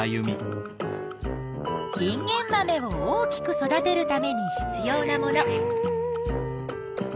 インゲンマメを大きく育てるために必要なもの。